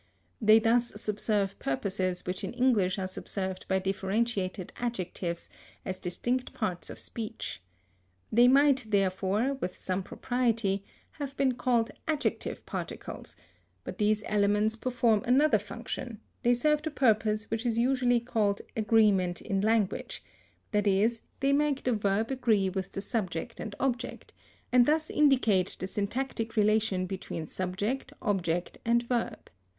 They thus subserve purposes which in English are subserved by differentiated adjectives as distinct parts of speech. They might, therefore, with some propriety, have been called adjective particles, but these elements perform another function; they serve the purpose which is usually called agreement in language; that is, they make the verb agree with the subject and object, and thus indicate the syntactic relation between subject, object, and verb.